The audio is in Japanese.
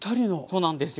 そうなんですよ。